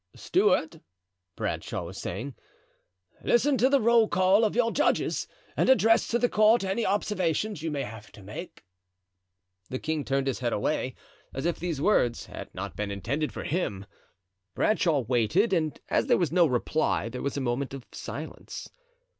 "Stuart," Bradshaw was saying, "listen to the roll call of your judges and address to the court any observations you may have to make." The king turned his head away, as if these words had not been intended for him. Bradshaw waited, and as there was no reply there was a moment of silence.